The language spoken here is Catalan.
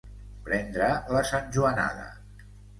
Prendre la santjoanada.